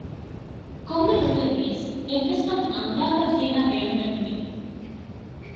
ކޮންމެ ގޮތެއް ވިޔަސް އެއްވެސް ކަމެއް އަންގާކަށް ޒީނާ ބޭނުމެއް ނުވި